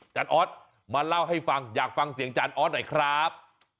จานอ๊อตมาเล่าให้ฟังอยากฟังเสียงจานอ๊อตหน่อยครับ